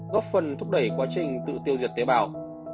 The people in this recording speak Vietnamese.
góp phần thúc đẩy quá trình tự tiêu diệt tế bào